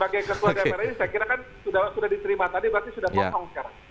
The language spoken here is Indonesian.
sebagai ketua dpr ini saya kira kan sudah diterima tadi berarti sudah potong sekarang